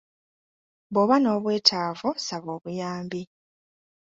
Bw'oba n'obwetaavu saba obuyambi.